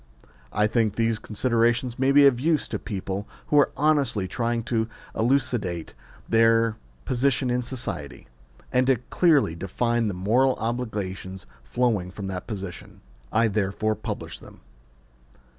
I think these considerations may be of use to people who are honestly trying to elucidate their position in society, and to clearly define the moral obligations flowing from that position. I therefore publish them.